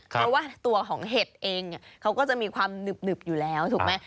เพราะว่าตัวของเห็ดเองเขาก็จะมีความหนึบอยู่แล้วถูกไหม